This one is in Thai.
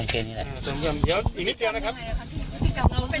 นี่คือจะหนูทำแบบไหนครับ